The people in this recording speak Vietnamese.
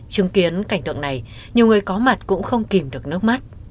chứng kiến cảnh tượng này nhiều người có mặt cũng không kìm được nước mắt